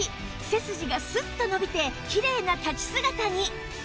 背筋がスッと伸びてきれいな立ち姿に